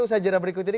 usaha jalan berikut ini